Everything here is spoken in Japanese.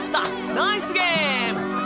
ナイスゲーム！！